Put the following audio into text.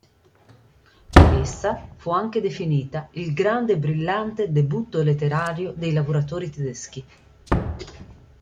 Essa fu anche definita “il grande e brillante debutto letterario dei lavoratori tedeschi”.